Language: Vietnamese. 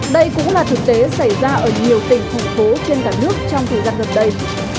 đây cũng là thực tế xảy ra ở nhiều tỉnh thành phố trên cả nước trong thời gian gần đây